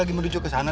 hadi hati dikelen ya